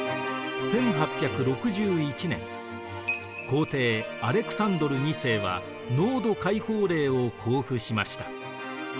１８６１年皇帝アレクサンドル２世は農奴解放令を公布しました。